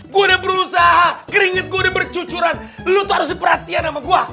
gua udah berusaha keringin gua udah bercucuran lu tuh harus diperhatikan sama gua